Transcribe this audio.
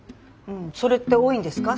それって多いんですか？